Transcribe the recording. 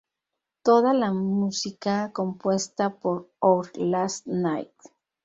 Toda la música compuesta por Our Last Night.